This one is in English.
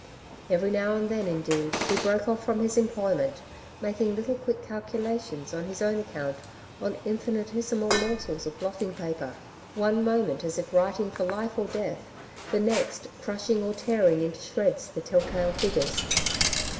Every now and then, indeed, he broke off from his employment, making little quick calculations on his own account on infini * tesimal morsels of blotting paper — one moment as if writing for life or death, the next crushing or Uncertainty s Cares. 129 teariDg into shreds the tell tale figures.